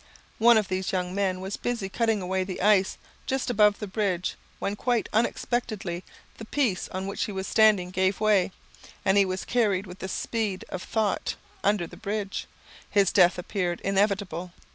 One of these young men was busy cutting away the ice just above the bridge, when quite unexpectedly the piece on which he was standing gave way, and he was carried with the speed of thought under the bridge. His death appeared inevitable.